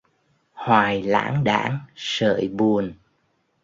Hoài lãng đãng sợi buồn